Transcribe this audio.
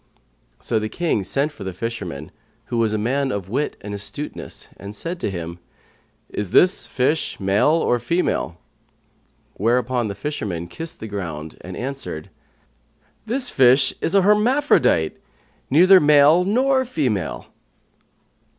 '" So the King sent for the fisherman, who was a man of wit and astuteness, and said to him, "Is this fish male or female?" whereupon the fisherman kissed the ground and answered, "This fish is an hermaphrodite,[FN#130] neither male nor female."